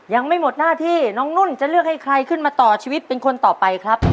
ยังไม่หมดหน้าที่น้องนุ่นจะเลือกให้ใครขึ้นมาต่อชีวิตเป็นคนต่อไปครับ